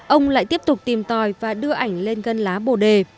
ông lại tiếp tục tìm tòi và đưa ảnh lên gân lá bồ đề